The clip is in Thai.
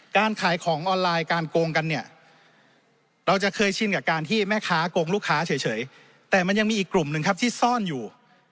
การขายของออนไลน์การโกงกันเนี่ยเราจะเคยชินกับการที่แม่ค้าโกงลูกค้าเฉยแต่มันยังมีอีกกลุ่มหนึ่งครับที่ซ่อนอยู่